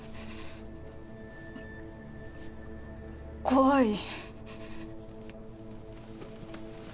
怖い。